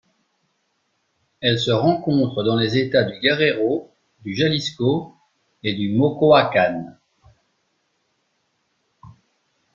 Elle se rencontre dans les États du Guerrero, du Jalisco et du Michoacán.